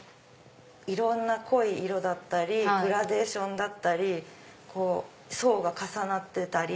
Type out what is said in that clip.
いろんな濃い色だったりグラデーションだったり層が重なってたり。